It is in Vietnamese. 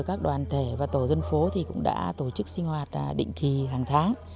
các đoàn thể và tổ dân phố cũng đã tổ chức sinh hoạt định kỳ hàng tháng